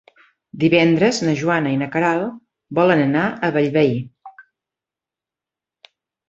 Divendres na Joana i na Queralt volen anar a Bellvei.